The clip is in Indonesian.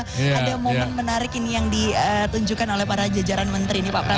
ada momen menarik ini yang ditunjukkan oleh para jajaran menteri ini pak prabowo